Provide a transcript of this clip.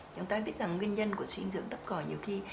chúng ta biết rằng nguyên nhân của suy dinh dưỡng thấp còi nhiều khi